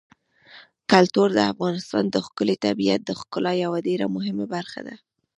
کلتور د افغانستان د ښکلي طبیعت د ښکلا یوه ډېره مهمه برخه ده.